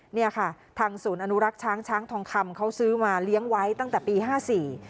เนี่ยค่ะทางศูนย์อนุรักษ์ช้างช้างทองคำเขาซื้อมาเลี้ยงไว้ตั้งแต่ปีห้าสี่